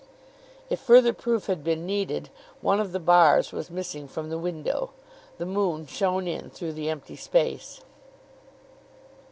If further proof had been needed, one of the bars was missing from the window. The moon shone in through the empty space.